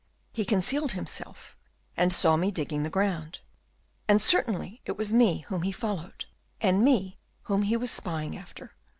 He concealed himself and saw me digging the ground, and certainly it was me whom he followed, and me whom he was spying after.